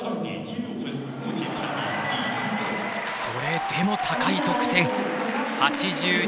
それでも高い得点。